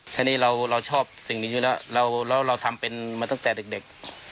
แค่นี้เราชอบสิ่งนี้อยู่แล้วแล้วเราทำเป็นมาตั้งแต่เด็ก